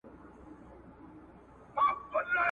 پوهه د بریا بنسټ دی.